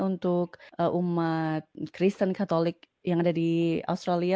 untuk umat kristen katolik yang ada di australia